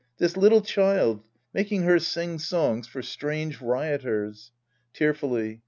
This little child. Making her sing songs for strange rioters — {Tearfully.)